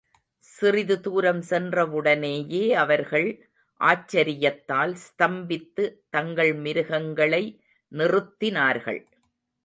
சிறிது தூரம் சென்றவுடனேயே அவர்கள் ஆச்சரியத்தால் ஸ்தம்பித்து தங்கள் மிருகங்களை நிறுத்தினார்கள்.